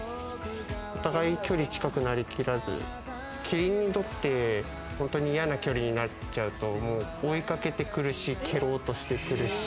お互い距離近くなりきらず、キリンにとって本当に嫌な距離になっちゃうと追いかけてくるし、蹴ろうとしてくるし。